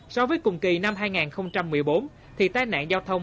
so với cùng kỳ năm hai nghìn một mươi năm tỉnh quảng ngãi đã tạo ra một bộ tài nạn giao thông